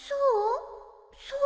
そう？